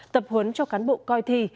tập huấn cho cán bộ coi thi